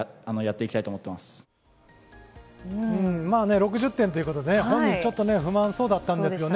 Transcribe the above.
６０点ということで、本人はちょっと不満そうだったんですよ。